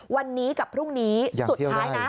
วันนี้กับพรุ่งนี้สุดท้ายนะ